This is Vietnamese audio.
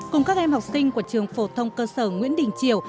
cùng các em học sinh của trường phổ thông cơ sở nguyễn đình triều